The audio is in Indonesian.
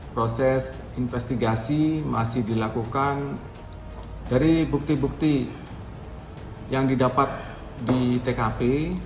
proses investigasi masih dilakukan dari bukti bukti yang didapat di tkp